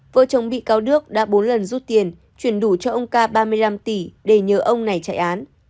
vợ chồng bị cáo đức đã bốn lần rút tiền chuyển đủ cho ông ca ba mươi năm tỷ để nhờ ông này chạy án